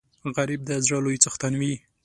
غریب د زړه لوی څښتن وي